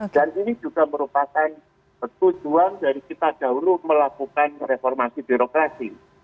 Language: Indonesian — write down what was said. dan ini juga merupakan tujuan dari kita jauh melakukan reformasi birokrasi